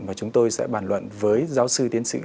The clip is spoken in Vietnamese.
và chúng tôi sẽ bàn luận với giáo sư tiến sĩ